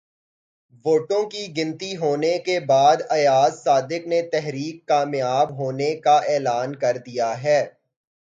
ووٹوں کی گنتی ہونے کے بعد ایاز صادق نے تحریک کامیاب ہونے کا اعلان کر دیا ہے